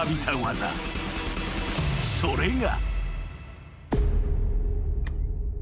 ［それが］